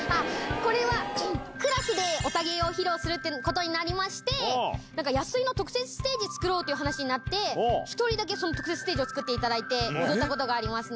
これは、クラスでオタ芸を披露するっていうことになりまして、なんか安井の特設ステージを作ろうって話になって、１人だけその特設ステージを作っていただいて、踊ったことがありますね。